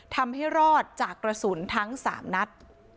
ทำให้รอดจากกระสุนทั้ง๓นัด